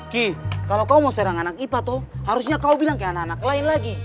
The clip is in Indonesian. ki kalau kamu mau serang anak ipa tuh harusnya kau bilang ke anak anak lain lagi